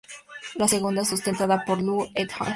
La segunda, sustentada por Lu "et al.